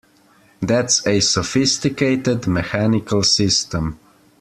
That's a sophisticated mechanical system!